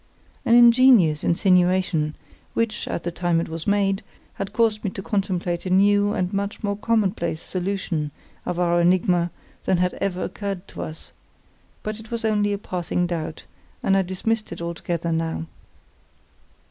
An ingenious insinuation, which, at the time it was made, had caused me to contemplate a new and much more commonplace solution of our enigma than had ever occurred to us; but it was only a passing doubt, and I dismissed it altogether now.